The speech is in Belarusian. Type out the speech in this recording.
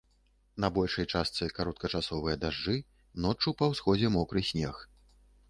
На большай частцы кароткачасовыя дажджы, ноччу па ўсходзе мокры снег.